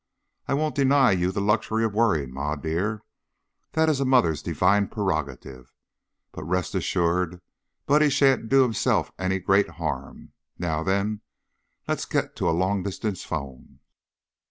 I won't deny you the luxury of worrying, Ma dear. That is a mother's divine prerogative, but rest assured Buddy sha'n't do himself any great harm. Now then, let's get to a long distance phone."